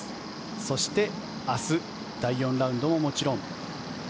そして、明日第４ラウンドももちろん。